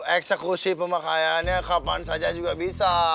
eksekusi pemakaiannya kapan saja juga bisa